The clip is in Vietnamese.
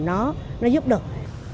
nó giúp được